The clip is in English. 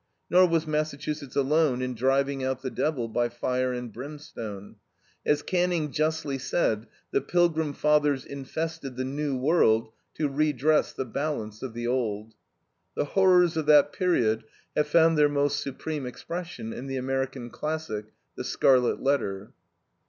Nor was Massachusetts alone in driving out the devil by fire and brimstone. As Canning justly said: "The Pilgrim fathers infested the New World to redress the balance of the Old." The horrors of that period have found their most supreme expression in the American classic, THE SCARLET LETTER.